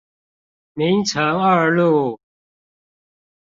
明誠二路